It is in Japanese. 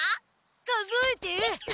数えて。